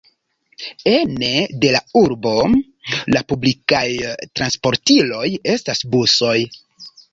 Ene de la urbo, la publikaj transportiloj estas busoj.